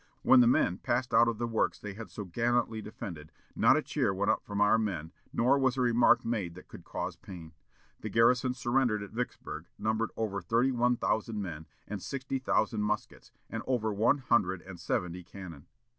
When the men passed out of the works they had so gallantly defended, not a cheer went up from our men nor was a remark made that could cause pain. The garrison surrendered at Vicksburg numbered over thirty one thousand men, with sixty thousand muskets, and over one hundred and seventy cannon.